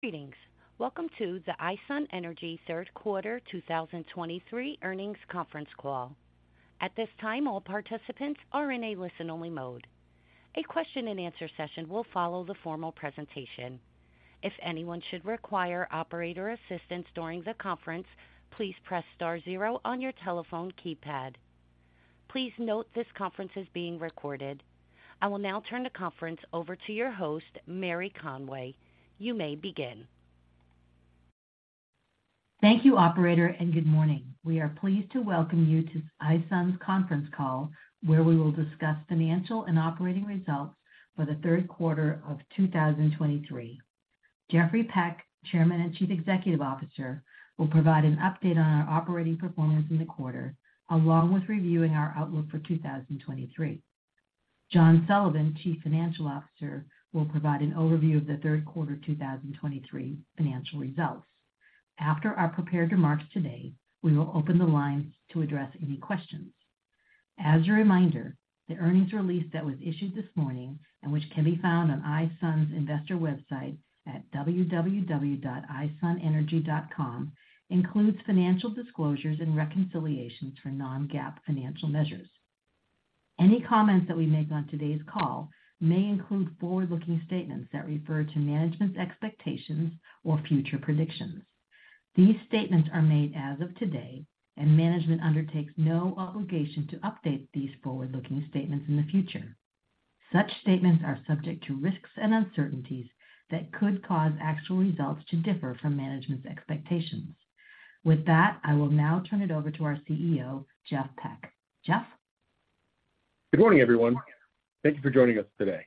Greetings. Welcome to the iSun Energy Third Quarter 2023 Earnings Conference Call. At this time, all participants are in a listen-only mode. A question-and-answer session will follow the formal presentation. If anyone should require operator assistance during the conference, please press star zero on your telephone keypad. Please note this conference is being recorded. I will now turn the conference over to your host, Mary Conway. You may begin. Thank you, operator, and good morning. We are pleased to welcome you to iSun's conference call, where we will discuss financial and operating results for the third quarter of 2023. Jeffrey Peck, Chairman and Chief Executive Officer, will provide an update on our operating performance in the quarter, along with reviewing our outlook for 2023. John Sullivan, Chief Financial Officer, will provide an overview of the third quarter 2023 financial results. After our prepared remarks today, we will open the lines to address any questions. As a reminder, the earnings release that was issued this morning and which can be found on iSun's investor website at www.isunenergy.com, includes financial disclosures and reconciliations for non-GAAP financial measures. Any comments that we make on today's call may include forward-looking statements that refer to management's expectations or future predictions. These statements are made as of today, and management undertakes no obligation to update these forward-looking statements in the future. Such statements are subject to risks and uncertainties that could cause actual results to differ from management's expectations. With that, I will now turn it over to our CEO, Jeff Peck. Jeff? Good morning, everyone. Thank you for joining us today.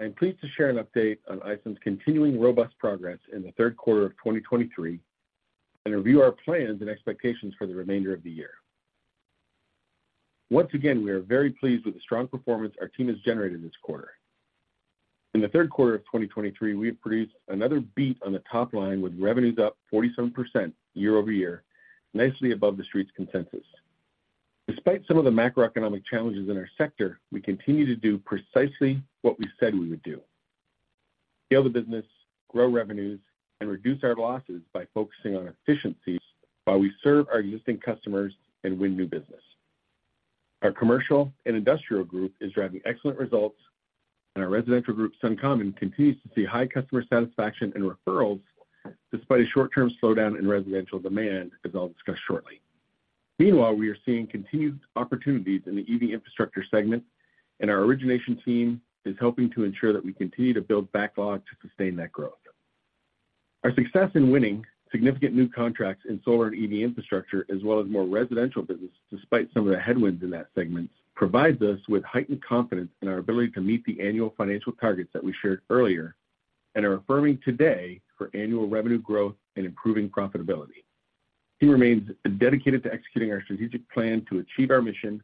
I'm pleased to share an update on iSun's continuing robust progress in the third quarter of 2023 and review our plans and expectations for the remainder of the year. Once again, we are very pleased with the strong performance our team has generated this quarter. In the third quarter of 2023, we have produced another beat on the top line, with revenues up 47% year-over-year, nicely above the Street's consensus. Despite some of the macroeconomic challenges in our sector, we continue to do precisely what we said we would do, scale the business, grow revenues, and reduce our losses by focusing on efficiencies while we serve our existing customers and win new business. Our commercial and industrial group is driving excellent results, and our residential group, SunCommon, continues to see high customer satisfaction and referrals despite a short-term slowdown in residential demand, as I'll discuss shortly. Meanwhile, we are seeing continued opportunities in the EV infrastructure segment, and our origination team is helping to ensure that we continue to build backlog to sustain that growth. Our success in winning significant new contracts in solar and EV infrastructure, as well as more residential business, despite some of the headwinds in that segment, provides us with heightened confidence in our ability to meet the annual financial targets that we shared earlier and are affirming today for annual revenue growth and improving profitability. The team remains dedicated to executing our strategic plan to achieve our mission to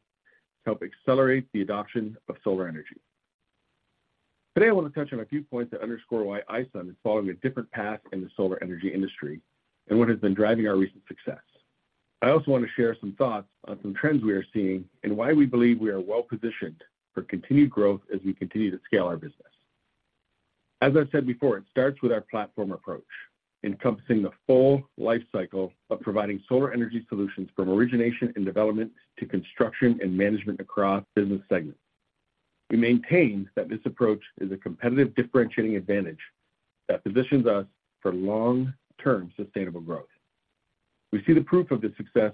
help accelerate the adoption of solar energy. Today, I want to touch on a few points that underscore why iSun is following a different path in the solar energy industry and what has been driving our recent success. I also want to share some thoughts on some trends we are seeing and why we believe we are well-positioned for continued growth as we continue to scale our business. As I've said before, it starts with our platform approach, encompassing the full lifecycle of providing solar energy solutions from origination and development to construction and management across business segments. We maintain that this approach is a competitive differentiating advantage that positions us for long-term sustainable growth. We see the proof of the success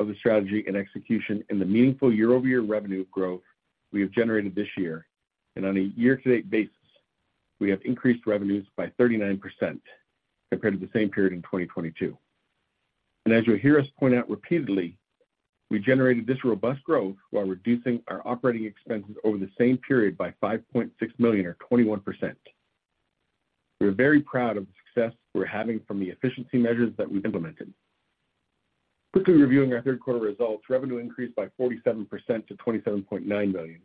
of the strategy and execution in the meaningful year-over-year revenue growth we have generated this year, and on a year-to-date basis, we have increased revenues by 39% compared to the same period in 2022. And as you'll hear us point out repeatedly, we generated this robust growth while reducing our operating expenses over the same period by $5.6 million or 21%. We are very proud of the success we're having from the efficiency measures that we've implemented. Quickly reviewing our third quarter results, revenue increased by 47% to $27.9 million,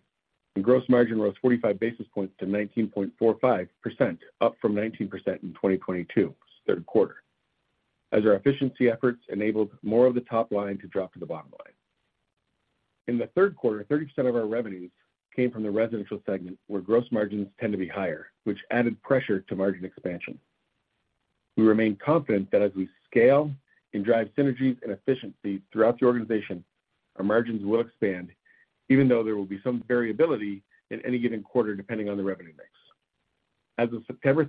and gross margin rose 45 basis points to 19.45%, up from 19% in 2022 third quarter. As our efficiency efforts enabled more of the top line to drop to the bottom line. In the third quarter, 30% of our revenues came from the residential segment, where gross margins tend to be higher, which added pressure to margin expansion. We remain confident that as we scale and drive synergies and efficiency throughout the organization, our margins will expand, even though there will be some variability in any given quarter, depending on the revenue mix. As of September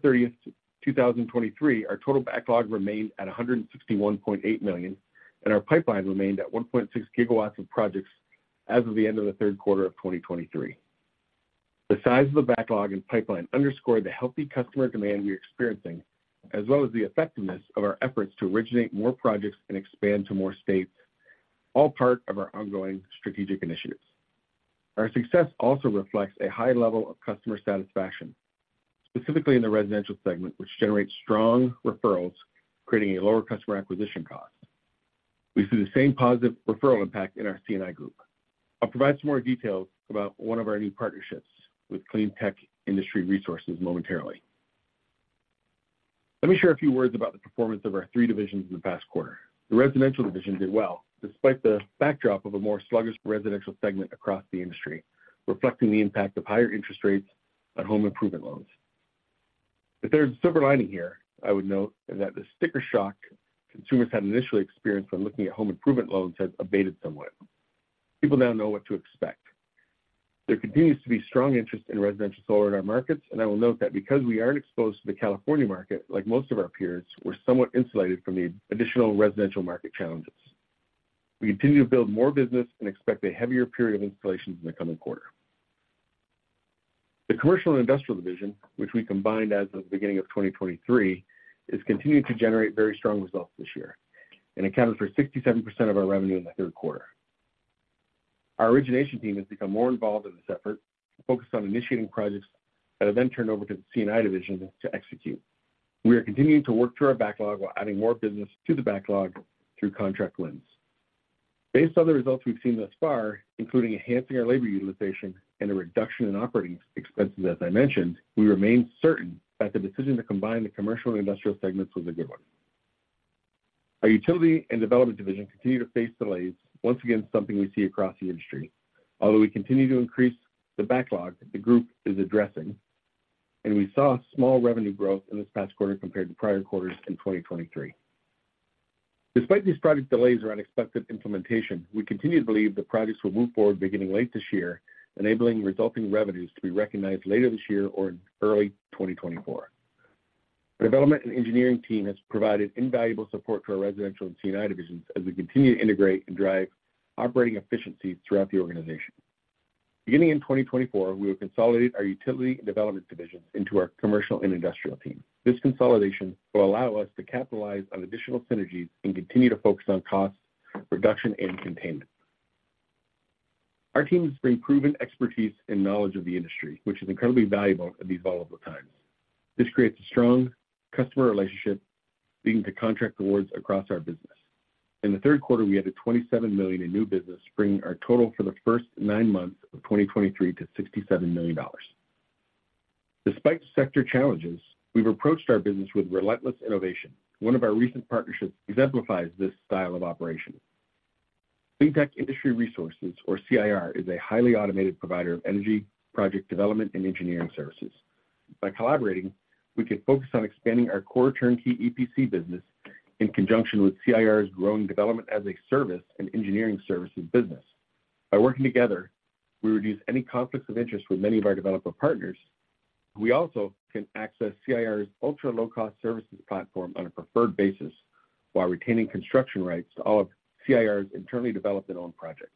30, 2023, our total backlog remained at $161.8 million, and our pipeline remained at 1.6 GW of projects as of the end of the third quarter of 2023. The size of the backlog and pipeline underscore the healthy customer demand we are experiencing, as well as the effectiveness of our efforts to originate more projects and expand to more states, all part of our ongoing strategic initiatives. Our success also reflects a high level of customer satisfaction, specifically in the residential segment, which generates strong referrals, creating a lower customer acquisition cost. We see the same positive referral impact in our C&I group. I'll provide some more details about one of our new partnerships with Cleantech Industry Resources momentarily. Let me share a few words about the performance of our three divisions in the past quarter. The residential division did well, despite the backdrop of a more sluggish residential segment across the industry, reflecting the impact of higher interest rates on home improvement loans. But there's a silver lining here. I would note that the sticker shock consumers had initially experienced when looking at home improvement loans has abated somewhat. People now know what to expect. There continues to be strong interest in residential solar in our markets, and I will note that because we aren't exposed to the California market, like most of our peers, we're somewhat insulated from the additional residential market challenges. We continue to build more business and expect a heavier period of installations in the coming quarter. The commercial and industrial division, which we combined as of the beginning of 2023, has continued to generate very strong results this year and accounted for 67% of our revenue in the third quarter. Our origination team has become more involved in this effort, focused on initiating projects that are then turned over to the C&I division to execute. We are continuing to work through our backlog while adding more business to the backlog through contract wins. Based on the results we've seen thus far, including enhancing our labor utilization and a reduction in operating expenses, as I mentioned, we remain certain that the decision to combine the commercial and industrial segments was a good one. Our utility and development division continue to face delays. Once again, something we see across the industry. Although we continue to increase the backlog, the group is addressing, and we saw small revenue growth in this past quarter compared to prior quarters in 2023. Despite these project delays or unexpected implementation, we continue to believe that projects will move forward beginning late this year, enabling resulting revenues to be recognized later this year or in early 2024. The development and engineering team has provided invaluable support to our residential and C&I divisions as we continue to integrate and drive operating efficiencies throughout the organization. Beginning in 2024, we will consolidate our utility and development divisions into our commercial and industrial team. This consolidation will allow us to capitalize on additional synergies and continue to focus on cost reduction and containment. Our teams bring proven expertise and knowledge of the industry, which is incredibly valuable at these volatile times. This creates a strong customer relationship, leading to contract awards across our business. In the third quarter, we added $27 million in new business, bringing our total for the first nine months of 2023 to $67 million. Despite sector challenges, we've approached our business with relentless innovation. One of our recent partnerships exemplifies this style of operation. Cleantech Industry Resources, or CIR, is a highly automated provider of energy, project development, and engineering services. By collaborating, we can focus on expanding our core turnkey EPC business in conjunction with CIR's growing development as a service and engineering services business. By working together, we reduce any conflicts of interest with many of our developer partners. We also can access CIR's ultra-low-cost services platform on a preferred basis while retaining construction rights to all of CIR's internally developed and owned projects.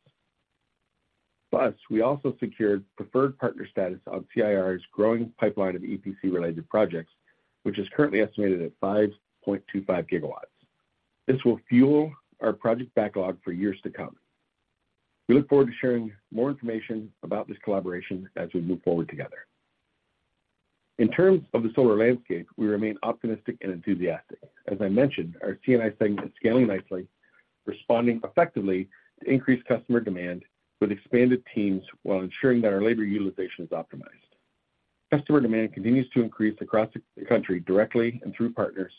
Plus, we also secured preferred partner status on CIR's growing pipeline of EPC-related projects, which is currently estimated at 5.25 GW. This will fuel our project backlog for years to come. We look forward to sharing more information about this collaboration as we move forward together. In terms of the solar landscape, we remain optimistic and enthusiastic. As I mentioned, our C&I segment is scaling nicely, responding effectively to increased customer demand with expanded teams while ensuring that our labor utilization is optimized. Customer demand continues to increase across the country, directly and through partners,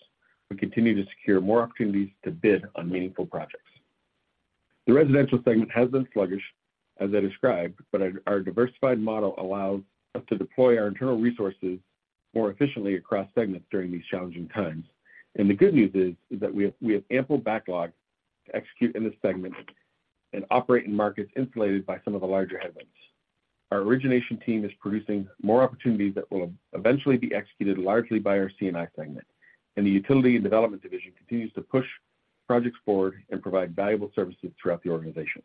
and continue to secure more opportunities to bid on meaningful projects. The residential segment has been sluggish, as I described, but our diversified model allows us to deploy our internal resources more efficiently across segments during these challenging times. The good news is that we have ample backlog to execute in this segment and operate in markets insulated by some of the larger headwinds. Our origination team is producing more opportunities that will eventually be executed largely by our C&I segment, and the utility and development division continues to push projects forward and provide valuable services throughout the organization.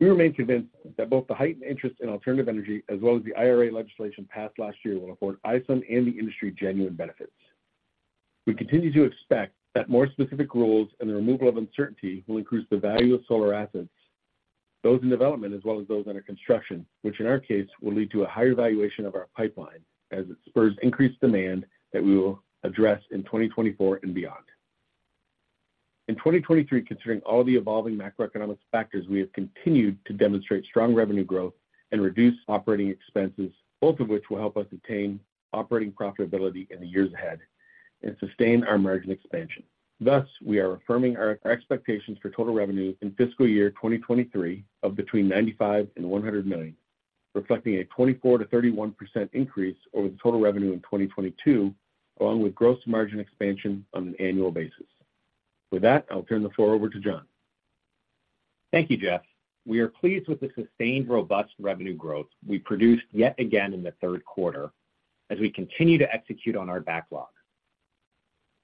We remain convinced that both the heightened interest in alternative energy, as well as the IRA legislation passed last year, will afford iSun and the industry genuine benefits. We continue to expect that more specific rules and the removal of uncertainty will increase the value of solar assets, those in development as well as those under construction, which in our case, will lead to a higher valuation of our pipeline as it spurs increased demand that we will address in 2024 and beyond. In 2023, considering all the evolving macroeconomic factors, we have continued to demonstrate strong revenue growth and reduce operating expenses, both of which will help us attain operating profitability in the years ahead and sustain our margin expansion. Thus, we are affirming our expectations for total revenue in fiscal year 2023 of between $95 million-$100 million, reflecting a 24%-31% increase over the total revenue in 2022, along with gross margin expansion on an annual basis. With that, I'll turn the floor over to John. Thank you, Jeff. We are pleased with the sustained, robust revenue growth we produced yet again in the third quarter as we continue to execute on our backlog.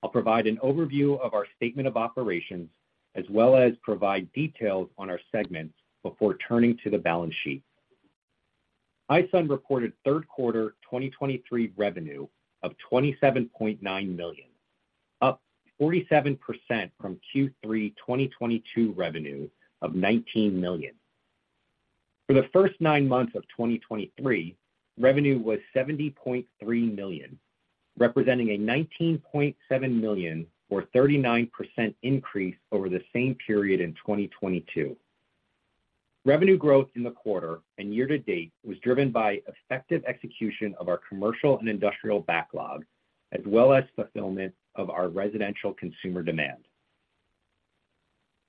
I'll provide an overview of our statement of operations, as well as provide details on our segments before turning to the balance sheet. iSun reported third quarter 2023 revenue of $27.9 million, up 47% from Q3 2022 revenue of $19 million. For the first nine months of 2023, revenue was $70.3 million, representing a $19.7 million, or 39% increase over the same period in 2022. Revenue growth in the quarter and year-to-date was driven by effective execution of our commercial and industrial backlog, as well as fulfillment of our residential consumer demand.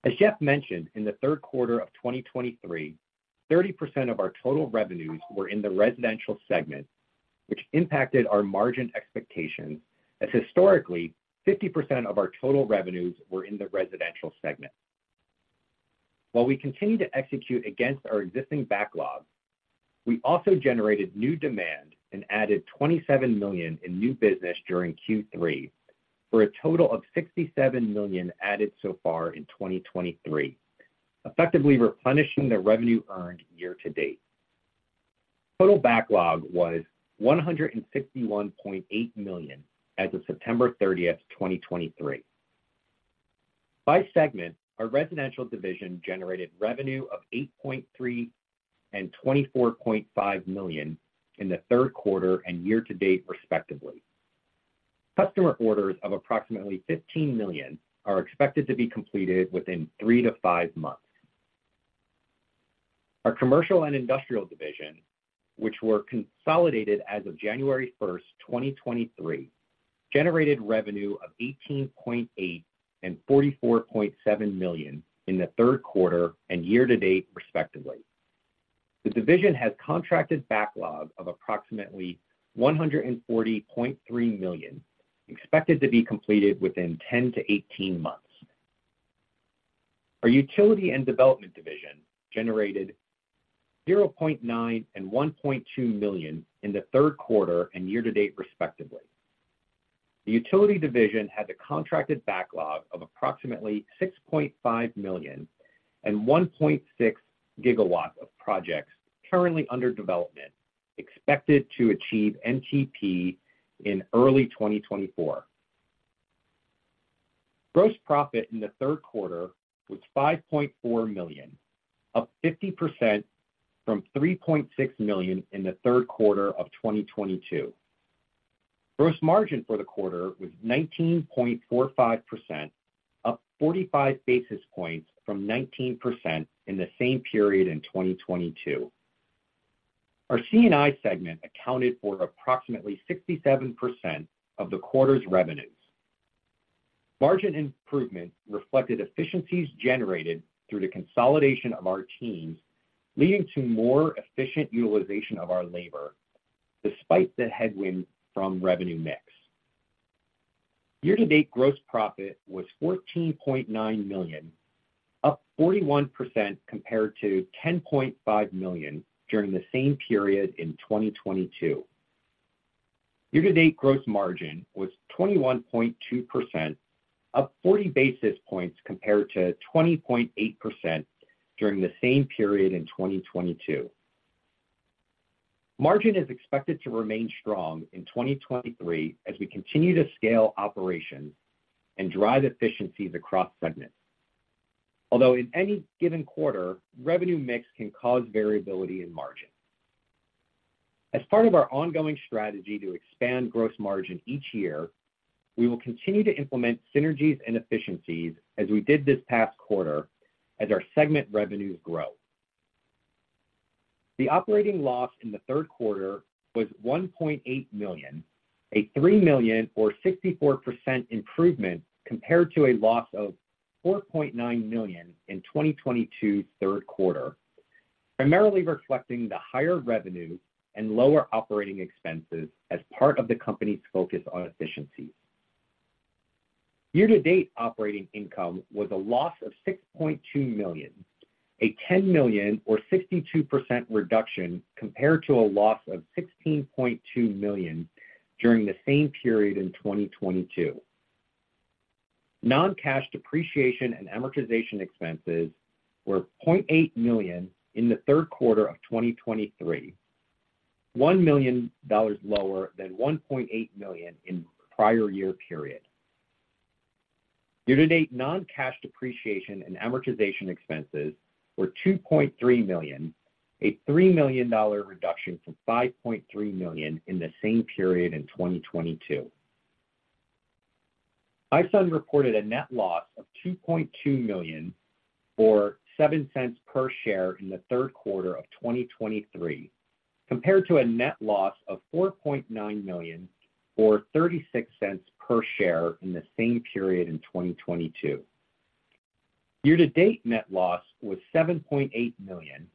As Jeff mentioned, in the third quarter of 2023, 30% of our total revenues were in the residential segment, which impacted our margin expectations, as historically, 50% of our total revenues were in the residential segment. While we continue to execute against our existing backlog, we also generated new demand and added $27 million in new business during Q3, for a total of $67 million added so far in 2023, effectively replenishing the revenue earned year-to-date. Total backlog was $161.8 million as of September 30, 2023. By segment, our residential division generated revenue of $8.3 million and $24.5 million in the third quarter and year-to-date, respectively. Customer orders of approximately $15 million are expected to be completed within 3-5 months. Our commercial and industrial division, which were consolidated as of January 1, 2023, generated revenue of $18.8 million and $44.7 million in the third quarter and year-to-date, respectively. The division has contracted backlog of approximately $140.3 million, expected to be completed within 10-18 months. Our utility and development division generated $0.9 million and $1.2 million in the third quarter and year-to-date, respectively. The utility division has a contracted backlog of approximately $6.5 million and 1.6 GW of projects currently under development, expected to achieve NTP in early 2024. Gross profit in the third quarter was $5.4 million, up 50% from $3.6 million in the third quarter of 2022. Gross margin for the quarter was 19.45%, up 45 basis points from 19% in the same period in 2022. Our C&I segment accounted for approximately 67% of the quarter's revenues. Margin improvement reflected efficiencies generated through the consolidation of our teams, leading to more efficient utilization of our labor, despite the headwind from revenue mix. Year-to-date gross profit was $14.9 million, up 41% compared to $10.5 million during the same period in 2022. Year-to-date gross margin was 21.2%, up 40 basis points compared to 20.8% during the same period in 2022. Margin is expected to remain strong in 2023 as we continue to scale operations and drive efficiencies across segments. Although in any given quarter, revenue mix can cause variability in margin. As part of our ongoing strategy to expand gross margin each year, we will continue to implement synergies and efficiencies as we did this past quarter as our segment revenues grow. The operating loss in the third quarter was $1.8 million, a $3 million or 64% improvement compared to a loss of $4.9 million in 2022's third quarter, primarily reflecting the higher revenue and lower operating expenses as part of the company's focus on efficiency. Year-to-date operating income was a loss of $6.2 million, a $10 million or 62% reduction compared to a loss of $16.2 million during the same period in 2022. Non-cash depreciation and amortization expenses were $0.8 million in the third quarter of 2023, $1 million lower than $1.8 million in prior year period. Year-to-date non-cash depreciation and amortization expenses were $2.3 million, a $3 million reduction from $5.3 million in the same period in 2022. iSun reported a net loss of $2.2 million, or $0.07 per share in the third quarter of 2023, compared to a net loss of $4.9 million, or $0.36 per share in the same period in 2022. Year-to-date net loss was $7.8 million,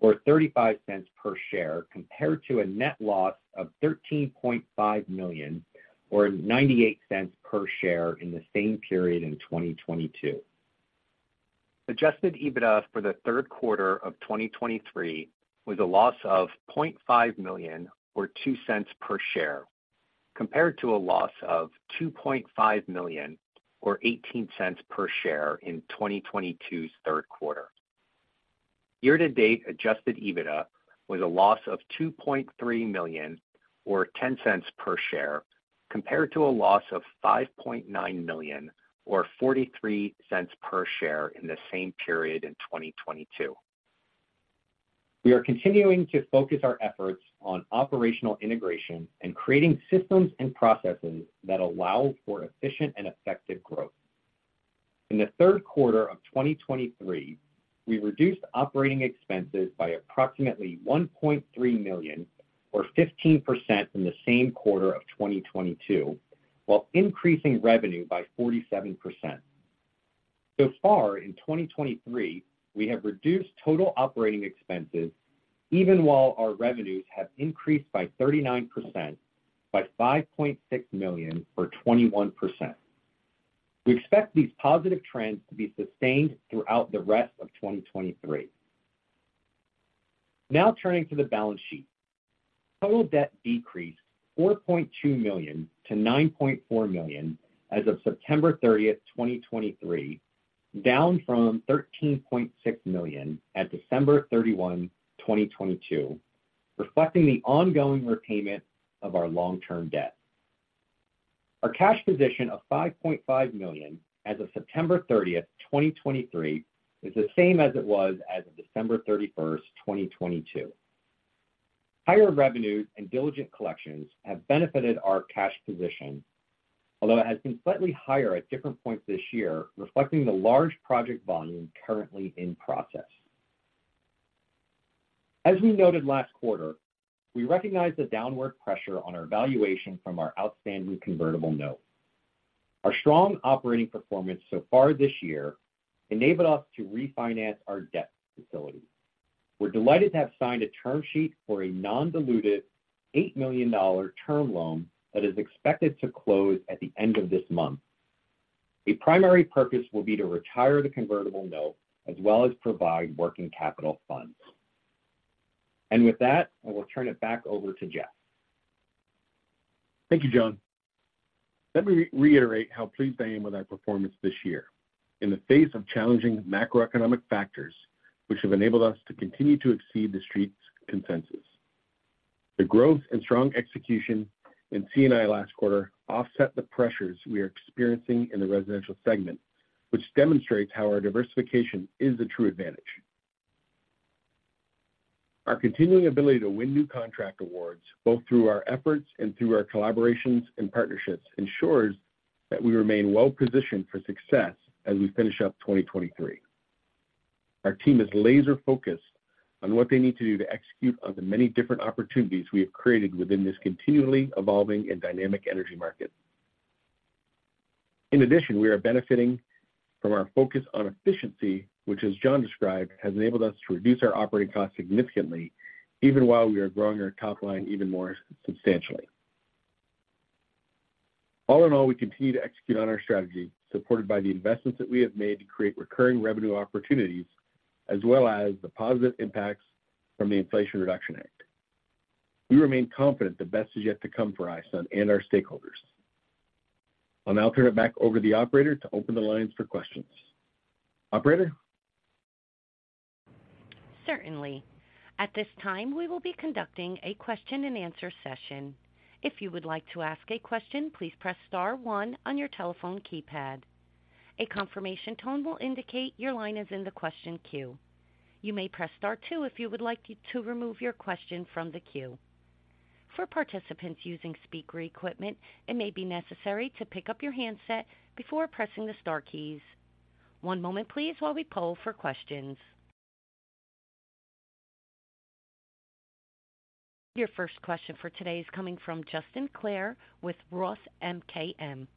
or $0.35 per share, compared to a net loss of $13.5 million, or $0.98 per share in the same period in 2022. Adjusted EBITDA for the third quarter of 2023 was a loss of $0.5 million, or $0.02 per share, compared to a loss of $2.5 million, or $0.18 per share in 2022's third quarter. Year-to-date Adjusted EBITDA was a loss of $2.3 million, or $0.10 per share, compared to a loss of $5.9 million, or $0.43 per share in the same period in 2022. We are continuing to focus our efforts on operational integration and creating systems and processes that allow for efficient and effective growth. In the third quarter of 2023, we reduced operating expenses by approximately $1.3 million, or 15% from the same quarter of 2022, while increasing revenue by 47%. So far in 2023, we have reduced total operating expenses, even while our revenues have increased by 39%, by $5.6 million, or 21%. We expect these positive trends to be sustained throughout the rest of 2023. Now turning to the balance sheet. Total debt decreased $4.2 million to $9.4 million as of September 30, 2023, down from $13.6 million at December 31, 2022, reflecting the ongoing repayment of our long-term debt. Our cash position of $5.5 million as of September 30, 2023, is the same as it was as of December 31, 2022. Higher revenues and diligent collections have benefited our cash position, although it has been slightly higher at different points this year, reflecting the large project volume currently in process. As we noted last quarter, we recognize the downward pressure on our valuation from our outstanding convertible note. Our strong operating performance so far this year enabled us to refinance our debt facility. We're delighted to have signed a term sheet for a non-dilutive $8 million term loan that is expected to close at the end of this month. A primary purpose will be to retire the convertible note as well as provide working capital funds. With that, I will turn it back over to Jeff. Thank you, John. Let me reiterate how pleased I am with our performance this year in the face of challenging macroeconomic factors, which have enabled us to continue to exceed the Street's consensus. The growth and strong execution in C&I last quarter offset the pressures we are experiencing in the residential segment, which demonstrates how our diversification is a true advantage. Our continuing ability to win new contract awards, both through our efforts and through our collaborations and partnerships, ensures that we remain well positioned for success as we finish up 2023. Our team is laser focused on what they need to do to execute on the many different opportunities we have created within this continually evolving and dynamic energy market. In addition, we are benefiting from our focus on efficiency, which, as John described, has enabled us to reduce our operating costs significantly, even while we are growing our top line even more substantially. All in all, we continue to execute on our strategy, supported by the investments that we have made to create recurring revenue opportunities, as well as the positive impacts from the Inflation Reduction Act. We remain confident the best is yet to come for iSun and our stakeholders. I'll now turn it back over to the operator to open the lines for questions. Operator? Certainly. At this time, we will be conducting a question-and-answer session. If you would like to ask a question, please press star one on your telephone keypad. A confirmation tone will indicate your line is in the question queue. You may press star two if you would like to, to remove your question from the queue. For participants using speaker equipment, it may be necessary to pick up your handset before pressing the star keys. One moment please, while we poll for questions. Your first question for today is coming from Justin Clare with Roth MKM.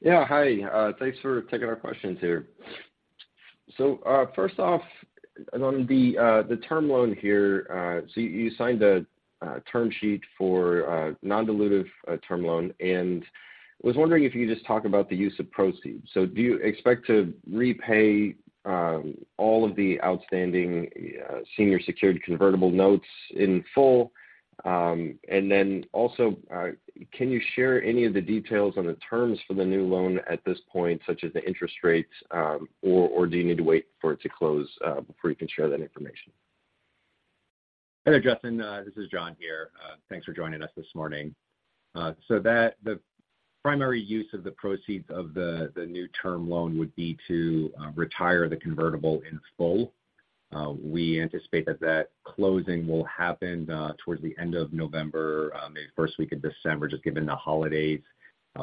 Yeah, hi, thanks for taking our questions here. So, first off, on the term loan here, so you signed a term sheet for a non-dilutive term loan, and I was wondering if you could just talk about the use of proceeds. So do you expect to repay all of the outstanding senior secured convertible notes in full? And then also, can you share any of the details on the terms for the new loan at this point, such as the interest rates, or do you need to wait for it to close before you can share that information? Hey, Justin, this is John here. Thanks for joining us this morning. So that the primary use of the proceeds of the new term loan would be to retire the convertible in full. We anticipate that closing will happen towards the end of November, maybe first week of December, just given the holidays.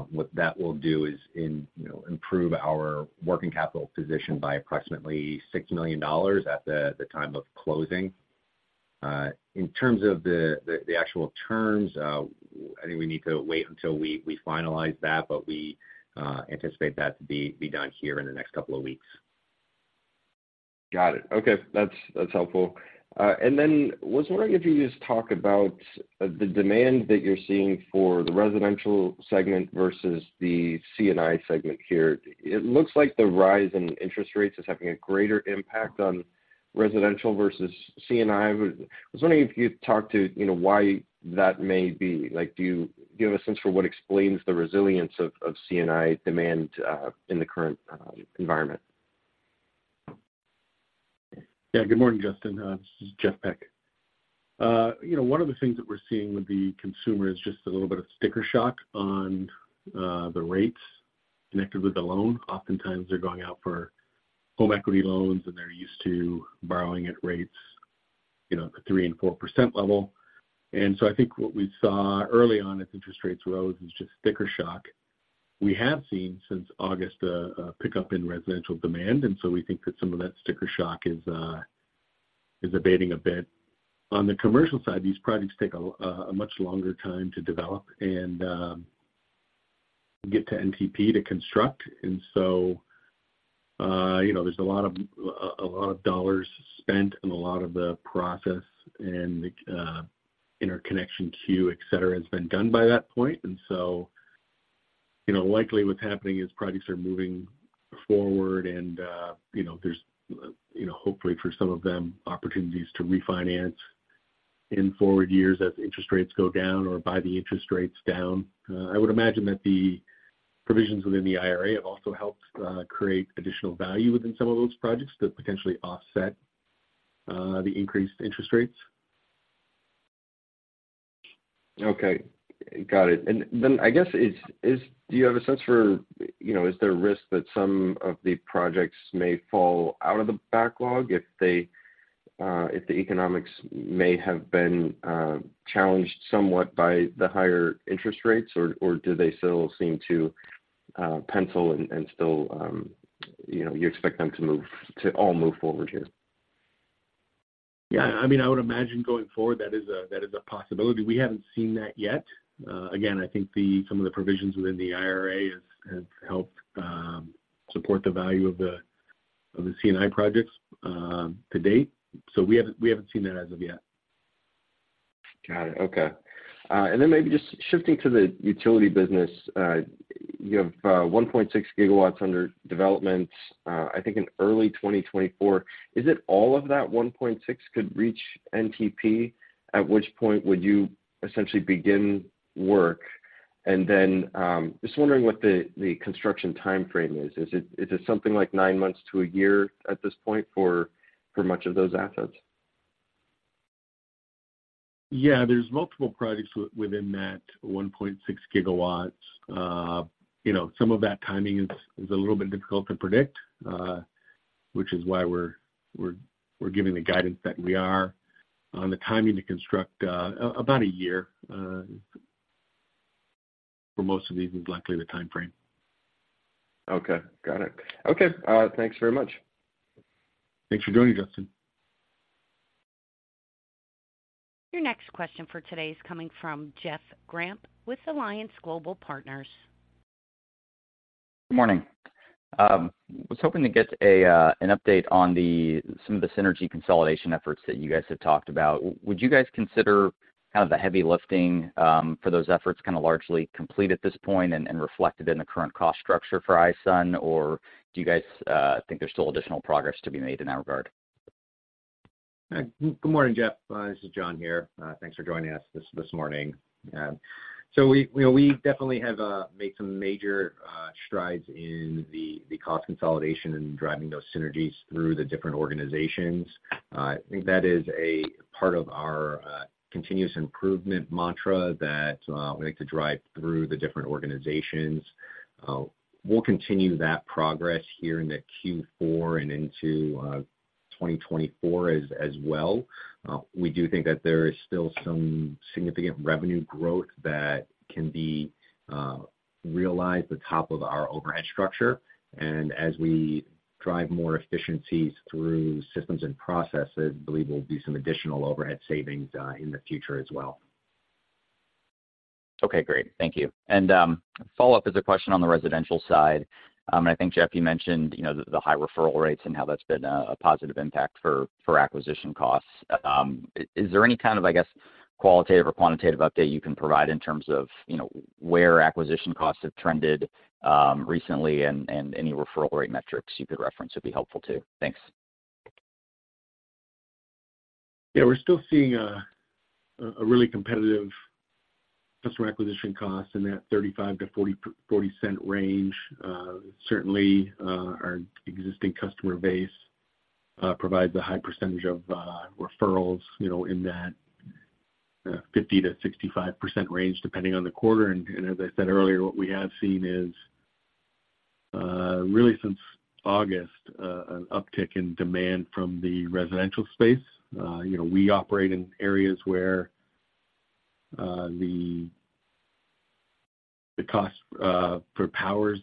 What that will do is you know, improve our working capital position by approximately $6 million at the time of closing. In terms of the actual terms, I think we need to wait until we finalize that, but we anticipate that to be done here in the next couple of weeks. Got it. Okay, that's, that's helpful. And then I was wondering if you could just talk about the demand that you're seeing for the residential segment versus the C&I segment here. It looks like the rise in interest rates is having a greater impact on residential versus C&I. I was wondering if you could talk to, you know, why that may be. Like, do you have a sense for what explains the resilience of C&I demand in the current environment? Yeah. Good morning, Justin. This is Jeff Peck. You know, one of the things that we're seeing with the consumer is just a little bit of sticker shock on the rates connected with the loan. Oftentimes, they're going out for home equity loans, and they're used to borrowing at rates, you know, at the 3% and 4% level. And so I think what we saw early on as interest rates rose is just sticker shock. We have seen since August a pickup in residential demand, and so we think that some of that sticker shock is abating a bit. On the commercial side, these projects take a much longer time to develop and get to NTP to construct. And so, you know, there's a lot of dollars spent and a lot of the process and the interconnection queue, et cetera, has been done by that point. And so, you know, likely what's happening is projects are moving forward and, you know, there's, you know, hopefully for some of them, opportunities to refinance in forward years as interest rates go down or by the interest rates down. I would imagine that the provisions within the IRA have also helped create additional value within some of those projects to potentially offset the increased interest rates. Okay, got it. And then I guess, do you have a sense for, you know, is there a risk that some of the projects may fall out of the backlog if they, if the economics may have been challenged somewhat by the higher interest rates? Or, or do they still seem to pencil and, and still, you know, you expect them to move to all move forward here? Yeah. I mean, I would imagine going forward, that is a possibility. We haven't seen that yet. Again, I think some of the provisions within the IRA has helped support the value of the C&I projects to date, so we haven't, we haven't seen that as of yet. Got it. Okay. And then maybe just shifting to the utility business. You have 1.6 GW under development, I think in early 2024. Is it all of that 1.6 could reach NTP? At which point would you essentially begin work? And then, just wondering what the construction timeframe is. Is it something like nine months to a year at this point for much of those assets? Yeah, there's multiple projects within that 1.6 GW. You know, some of that timing is a little bit difficult to predict, which is why we're giving the guidance that we are. On the timing to construct, about a year for most of these is likely the timeframe. Okay, got it. Okay, thanks very much. Thanks for joining, Justin. Your next question for today is coming from Jeff Grampp with Alliance Global Partners. Good morning. Was hoping to get an update on some of the synergy consolidation efforts that you guys have talked about. Would you guys consider kind of the heavy lifting for those efforts kind of largely complete at this point and reflected in the current cost structure for iSun? Or do you guys think there's still additional progress to be made in that regard? Good morning, Jeff. This is John here. Thanks for joining us this morning. So we, you know, we definitely have made some major strides in the cost consolidation and driving those synergies through the different organizations. I think that is a part of our continuous improvement mantra that we like to drive through the different organizations. We'll continue that progress here in the Q4 and into 2024 as well. We do think that there is still some significant revenue growth that can be realized at the top of our overhead structure. And as we drive more efficiencies through systems and processes, I believe there'll be some additional overhead savings in the future as well. Okay, great. Thank you. And follow-up is a question on the residential side. And I think, Jeff, you mentioned, you know, the high referral rates and how that's been a positive impact for acquisition costs. Is there any kind of, I guess, qualitative or quantitative update you can provide in terms of, you know, where acquisition costs have trended recently, and any referral rate metrics you could reference, it'd be helpful too? Thanks. Yeah, we're still seeing a really competitive customer acquisition cost in that $0.35-$0.40 range. Certainly, our existing customer base provides a high percentage of referrals, you know, in that 50%-65% range, depending on the quarter. And as I said earlier, what we have seen is really since August an uptick in demand from the residential space. You know, we operate in areas where the cost for power is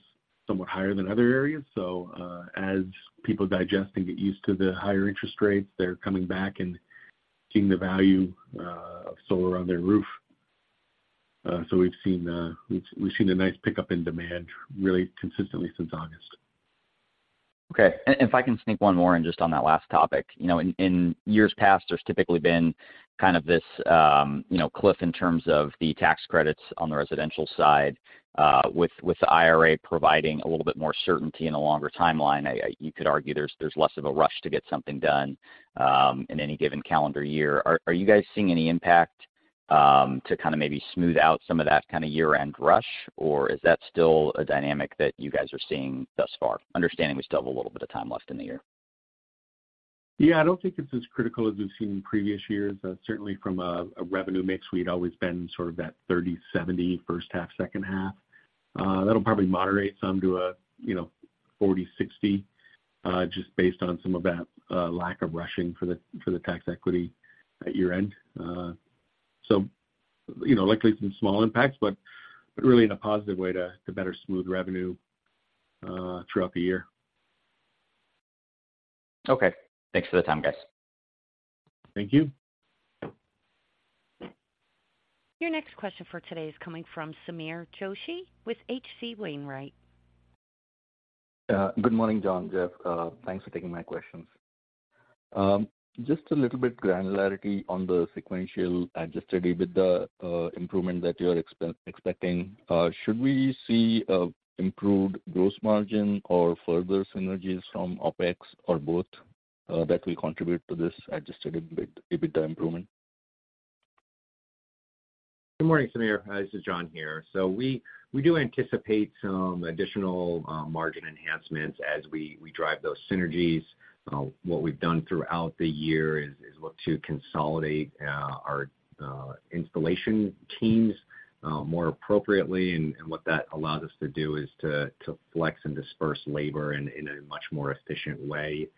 somewhat higher than other areas. So, as people digest and get used to the higher interest rates, they're coming back and seeing the value of solar on their roof. So we've seen a nice pickup in demand really consistently since August. Okay. If I can sneak one more in just on that last topic. You know, in years past, there's typically been kind of this you know cliff in terms of the tax credits on the residential side, with the IRA providing a little bit more certainty and a longer timeline. You could argue there's less of a rush to get something done in any given calendar year. Are you guys seeing any impact to kind of maybe smooth out some of that kind of year-end rush? Or is that still a dynamic that you guys are seeing thus far? Understanding we still have a little bit of time left in the year. Yeah, I don't think it's as critical as we've seen in previous years. Certainly from a revenue mix, we'd always been sort of that 30/70, first half, second half. That'll probably moderate some to a, you know, 40/60, just based on some of that lack of rushing for the tax equity at year-end. So, you know, likely some small impacts, but really in a positive way to better smooth revenue, throughout the year. Okay, thanks for the time, guys. Thank you. Your next question for today is coming from Sameer Joshi with H.C. Wainwright. Good morning, John, Jeff. Thanks for taking my questions. Just a little bit granularity on the sequential adjusted with the improvement that you are expecting. Should we see improved gross margin or further synergies from OpEx, or both, that will contribute to this adjusted EBIT, EBITDA improvement? Good morning, Sameer. This is John here. So we do anticipate some additional margin enhancements as we drive those synergies. What we've done throughout the year is look to consolidate our installation teams more appropriately. And what that allows us to do is to flex and disperse labor in a much more efficient way.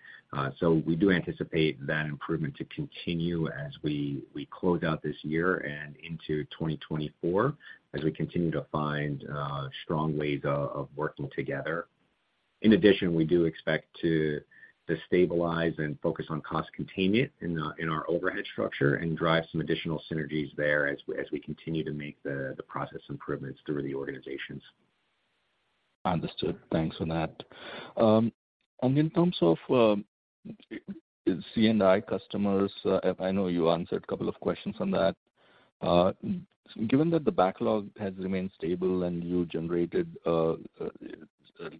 So we do anticipate that improvement to continue as we close out this year and into 2024, as we continue to find strong ways of working together. In addition, we do expect to stabilize and focus on cost containment in our overhead structure and drive some additional synergies there as we continue to make the process improvements through the organizations. Understood. Thanks for that. And in terms of C&I customers, I know you answered a couple of questions on that. Given that the backlog has remained stable and you generated the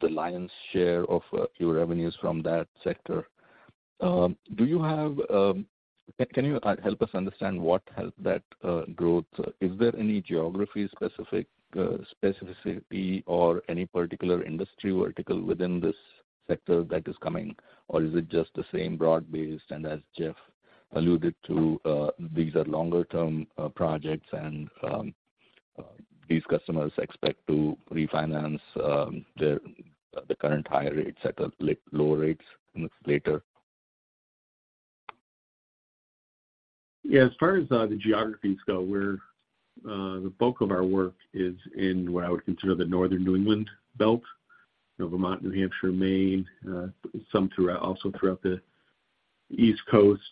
lion's share of your revenues from that sector, can you help us understand what helped that growth? Is there any geography-specific specificity or any particular industry vertical within this sector that is coming, or is it just the same broad-based? And as Jeff alluded to, these are longer-term projects, and these customers expect to refinance the current higher rates at lower rates months later. Yeah. As far as the geographies go, we're the bulk of our work is in what I would consider the northern New England belt, Vermont, New Hampshire, Maine, some throughout, also throughout the East Coast.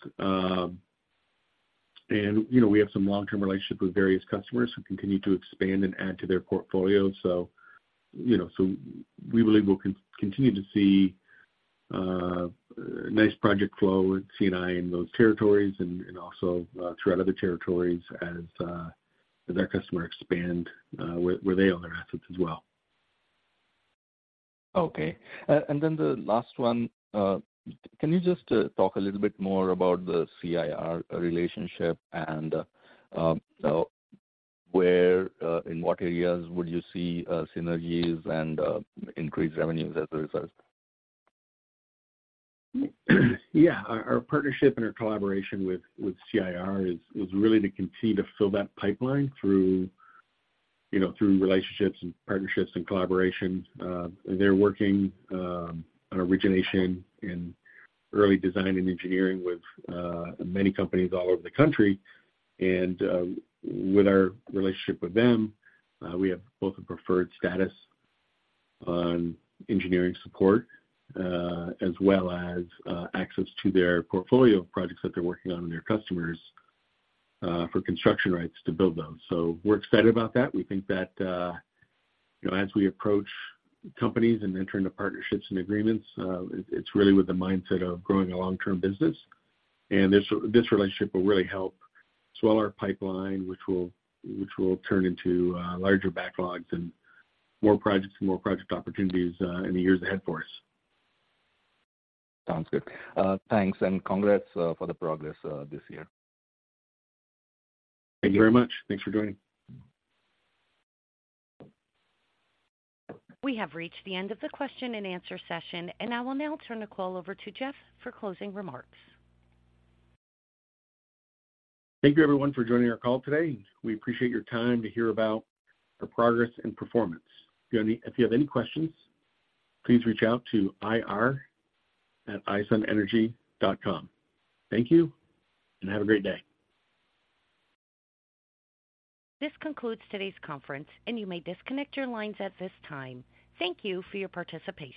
And, you know, we have some long-term relationships with various customers who continue to expand and add to their portfolio. So, you know, we believe we'll continue to see nice project flow with C&I in those territories and also throughout other territories as our customer expand where they own their assets as well. Okay. And then the last one, can you just talk a little bit more about the CIR relationship and where, in what areas, would you see synergies and increased revenues as a result? Yeah. Our partnership and our collaboration with CIR was really to continue to fill that pipeline through, you know, through relationships and partnerships and collaborations. They're working on origination in early design and engineering with many companies all over the country. And with our relationship with them, we have both a preferred status on engineering support, as well as access to their portfolio of projects that they're working on with their customers for construction rights to build them. So we're excited about that. We think that, you know, as we approach companies and enter into partnerships and agreements, it's really with the mindset of growing a long-term business. This relationship will really help swell our pipeline, which will turn into larger backlogs and more projects and more project opportunities in the years ahead for us. Sounds good. Thanks, and congrats, for the progress this year. Thank you very much. Thanks for joining. We have reached the end of the question and answer session, and I will now turn the call over to Jeff for closing remarks. Thank you, everyone, for joining our call today. We appreciate your time to hear about our progress and performance. If you have any questions, please reach out to ir@isunenergy.com. Thank you, and have a great day. This concludes today's conference, and you may disconnect your lines at this time. Thank you for your participation.